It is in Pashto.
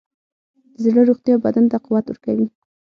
د زړه روغتیا بدن ته قوت ورکوي.